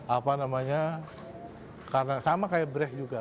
apa namanya karena sama kayak breh juga